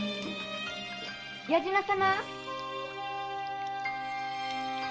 矢島様？